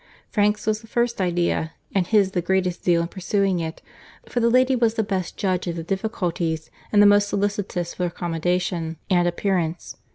Frank's was the first idea; and his the greatest zeal in pursuing it; for the lady was the best judge of the difficulties, and the most solicitous for accommodation and appearance.